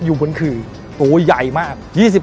อยู่บนขื่อตัวใหญ่มาก